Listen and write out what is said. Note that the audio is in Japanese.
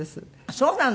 そうなの？